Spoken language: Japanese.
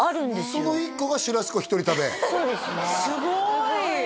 その１個がシュラスコ一人食べそうですねすごい！